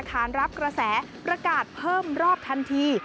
ขานรับกระแสประกาศเพิ่มรอบทันที